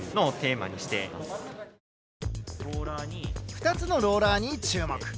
２つのローラーに注目。